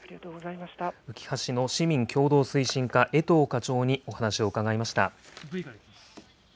うきは市の市民協働推進課、江藤課長にお話を伺いました。